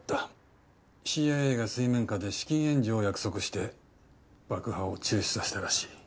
ＣＩＡが水面下で資金援助を約束して爆破を中止させたらしい。